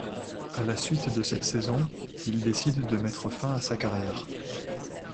À la suite de cette saison, il décide de mettre fin à sa carrière.